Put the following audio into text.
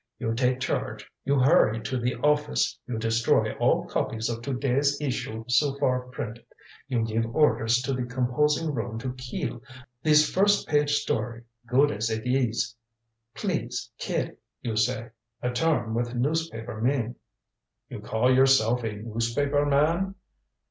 You take charge. You hurry to the office. You destroy all copies of to day's issue so far printed. You give orders to the composing room to kill this first page story good as it is. 'Please kill,' you say. A term with newspaper men." "You call yourself a newspaper man?"